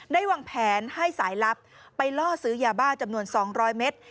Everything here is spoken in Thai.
ได้วางแผนให้สายลับไปล่อซื้อยาบ้าจำนวนสองร้อยเมตร